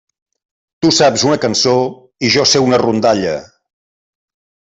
Tu saps una cançó i jo sé una rondalla.